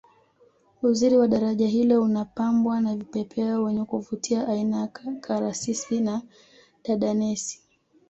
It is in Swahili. uzuri wa daraja hilo unapambwa na vipepeo wenye kuvutia aina ya karasisi na dadanesi